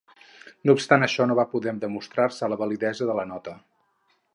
No obstant això, no va poder demostrar-se la validesa de la nota.